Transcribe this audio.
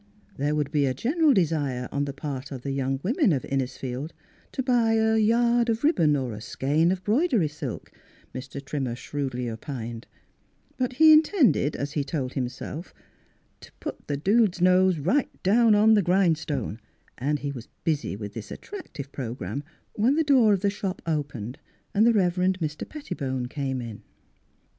There would be a general desire on the part of the young women of Innisfield to buy a yard of ribbon or a skein of embroidery silk, Mr. Trimmer shrewdly opined. But he intended, as he told himself, " to put Miss Fhilura's Wedding Gown the dude's nose right down on the grind stone," and he was busy with this at tractive program when the door of the shop opened and the Rev. Mr. Pettibone came in.